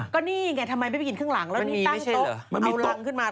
ก็นี่ไงทำไมไม่ไปกินข้างหลังแล้วนี่ตั้งโต๊ะเอารังขึ้นมา